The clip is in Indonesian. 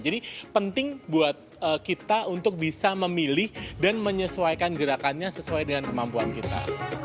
jadi penting buat kita untuk bisa memilih dan menyesuaikan gerakannya sesuai dengan kemampuan kita